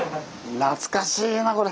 懐かしいなこれ。